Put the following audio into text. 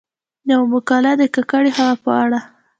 يومـقاله د کـکړې هـوا په اړه :